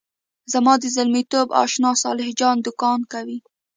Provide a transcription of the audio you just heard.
زما د زلمیتوب آشنا صالح جان دوکان کوي.